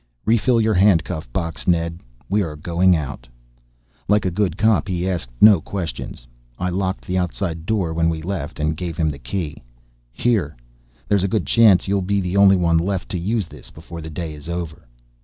"Refill your handcuff box, Ned. We are going out." Like a good cop he asked no questions. I locked the outside door when we left and gave him the key. "Here. There's a good chance you will be the only one left to use this before the day is over."